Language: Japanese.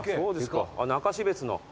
中標津の。